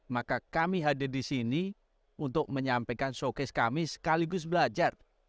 maka kami hadir di sini untuk menyampaikan showcase kami sekaligus belajar